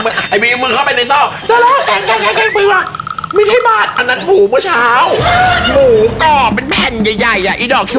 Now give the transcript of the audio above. ยังไงก็ใส่ติดมาก่อนมันเฉิดได้